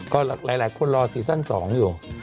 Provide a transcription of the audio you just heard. ก็หลายคนรอซีซั่น๒อยู่